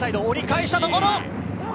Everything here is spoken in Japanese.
折り返したところ。